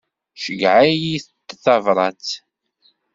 Ceyyeɛ-iyi-d tabrat.